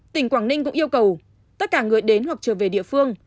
tỉnh quảng ninh cũng yêu cầu tất cả người đến hoặc trở về địa phương